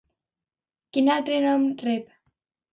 Quin altre nom rep?